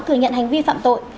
thừa nhận hành vi phạm tội